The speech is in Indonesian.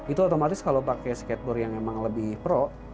itu otomatis kalau pakai skateboard yang memang lebih pro